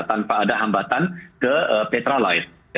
tanpa ada hambatan ke petrolite